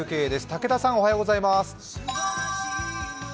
武田さん、おはようございます。